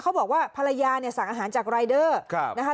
เขาบอกว่าภรรยาเนี่ยสั่งอาหารจากรายเดอร์นะคะ